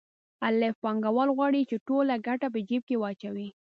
الف پانګوال غواړي چې ټوله ګټه په جېب کې واچوي